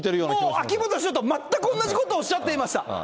秋元市長と全く同じことをおっしゃっていました。